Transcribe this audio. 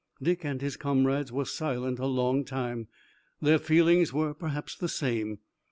Dick and his comrades were silent a long time. Their feelings were perhaps the same.